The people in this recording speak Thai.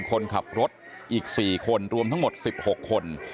คนขับรถอีกสี่คนรวมทั้งหมดสิบหกคน